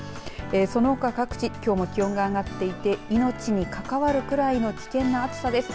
そのほか各地きょうも気温が上がっていて命に関わるぐらいの危険な暑さです。